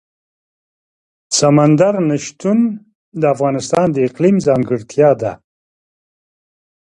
سمندر نه شتون د افغانستان د اقلیم ځانګړتیا ده.